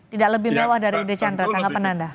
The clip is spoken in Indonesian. tidak lebih mewah dari widyacandra